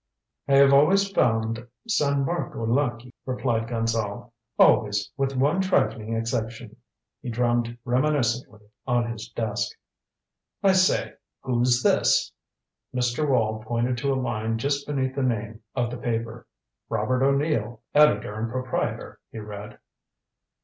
"I have always found San Marco lucky," replied Gonzale. "Always with one trifling exception." He drummed reminiscently on his desk. "I say who's this?" Mr. Wall pointed to a line just beneath the name of the paper. "Robert O'Neill, Editor and Proprietor," he read.